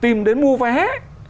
tìm đến mua vé